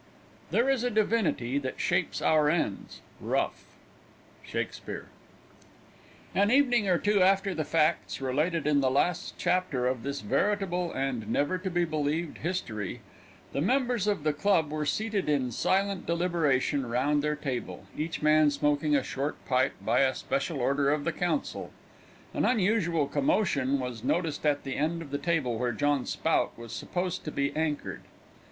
There is a divinity that shapes our ends, Rough SHAKSPEARE. An evening or two after the facts related in the last chapter of this veritable and never to be believed history, the members of the club were seated in silent deliberation round their table, each man smoking a short pipe by a special order of the council; an unusual commotion was noticed at the end of the table where John Spout was supposed to be anchored.